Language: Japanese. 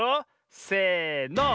せの。